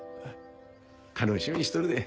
楽しみにしとるで。